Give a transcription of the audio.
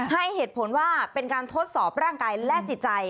ให้เหตุผลว่าเป็นการทดสอบร่างกายและจิตใจ